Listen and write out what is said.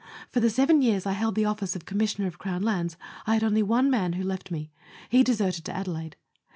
For the seven years I held the office of. Com missioner of Crown Lands I had only one man who left me. He deserted to Adelaide.